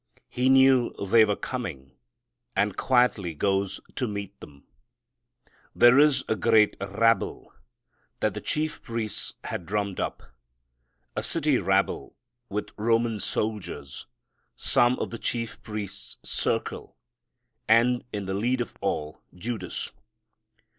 He knew they were coming, and quietly goes to meet them. There is a great rabble that the chief priests had drummed up, a city rabble with Roman soldiers, some of the chief priests' circle, and in the lead of all, Judas.